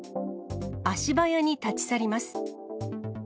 足早に立ち去ります。